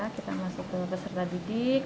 kita masuk ke peserta didik